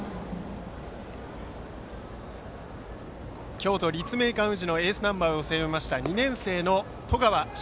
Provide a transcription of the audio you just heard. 京都・立命館宇治のエースナンバーを背負いました２年生の十川奨